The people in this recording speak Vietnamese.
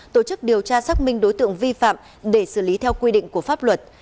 tổ chức điều tra xác minh đối tượng vi phạm để xử lý theo quy định của pháp luật